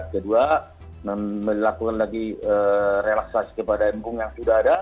dan juga melakukan lagi relaksasi kepada embung yang sudah ada